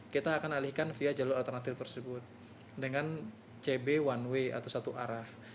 kita akan alihkan via jalur alternatif tersebut dengan cb one way atau satu arah